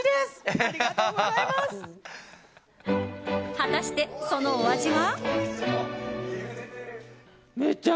果たして、そのお味は。